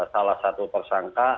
salah satu persangka